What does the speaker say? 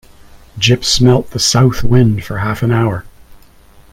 Jip smelt the South wind for half an hour.